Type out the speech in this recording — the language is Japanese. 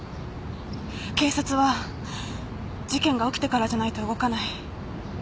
警察は事件が起きてからじゃないと動かない。